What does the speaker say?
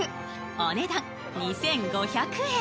お値段２５００円。